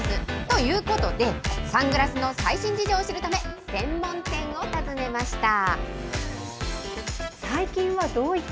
ということで、サングラスの最新事情を知るため、専門店を訪ねました。